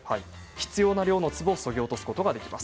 必要な量の粒をそぎ落とすことができます。